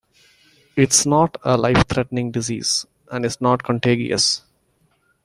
It is not a life-threatening disease and is not contagious.